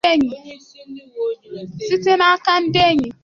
site n'aka ndị enyị